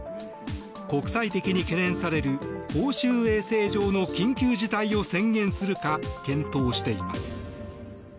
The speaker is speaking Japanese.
国際的に懸念される公衆衛生上の緊急事態を宣言するか検討しています。